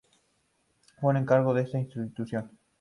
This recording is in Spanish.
Fue un encargo de esta institución.